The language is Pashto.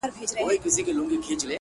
په دې وطن کي په لاسونو د ملا مړ سوم!